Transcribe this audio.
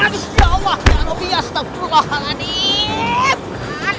ya allah ya allah biar tak berulang lagi